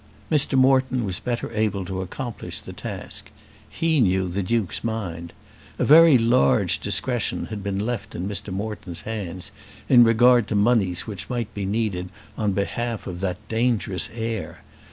Mr. Moreton was better able to accomplish the task. He knew the Duke's mind. A very large discretion had been left in Mr. Moreton's hands in regard to moneys which might be needed on behalf of that dangerous heir!